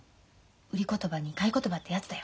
売り言葉に買い言葉ってやつだよ。